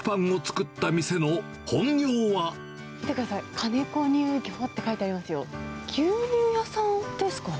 見てください、金子乳業って書いてありますよ。